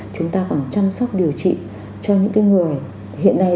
chúng ta còn chăm sóc điều trị cho những người hiện nay